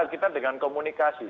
kita dengan komunikasi